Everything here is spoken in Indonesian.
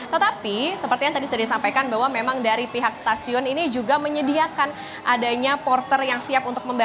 tetapi seperti yang tadi sudah disampaikan bahwa memang dari pihak stasiun ini juga menyediakan adanya porter yang siap untuk membangun